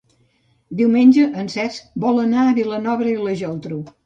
Diumenge en Cesc vol anar a Vilanova i la Geltrú.